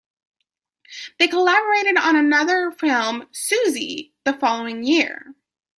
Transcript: They collaborated on another film, "Suzie", the following year.